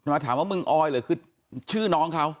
มาถามว่ามึงออยหรือคือชื่อน้องเขา